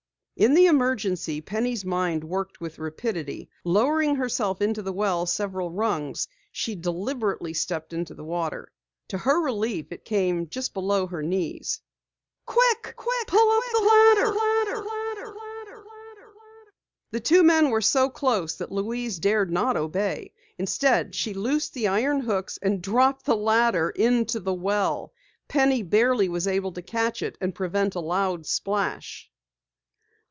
In the emergency, Penny's mind worked with rapidity. Lowering herself into the well several rungs, she deliberately stepped into the water. To her relief it came just below her knees. "Quick! Pull up the ladder!" she instructed. The two men were so close that Louise dared not obey. Instead she loosed the iron hooks and dropped the ladder into the well. Penny barely was able to catch it and prevent a loud splash.